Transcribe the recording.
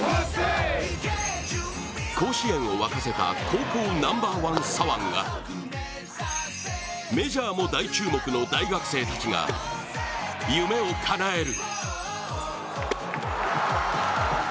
甲子園を沸かせた高校ナンバーワン左腕がメジャーも大注目の大学生たちが夢をかなえる。